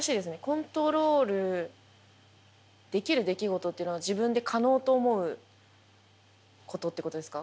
コントロールできる出来事っていうのは自分で可能と思うことってことですか？